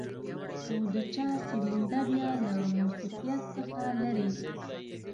خو د چا سرېنده بيا له موسيقيت څخه لېرې.